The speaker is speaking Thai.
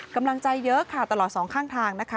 กำลังใจเยอะค่ะตลอดสองข้างทางนะคะ